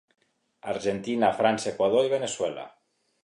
Argentina, França, Equador i Veneçuela.